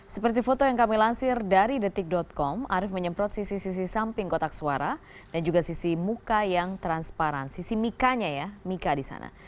seperti foto yang kami lansir dari detik com arief menyemprot sisi sisi samping kotak suara dan juga sisi muka yang transparan sisi mikanya ya mika di sana